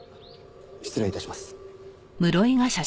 失礼致します。